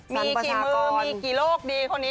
มีกี่มือมีกี่โลกดีคนนี้